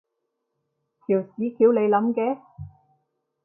條屎橋你諗嘅？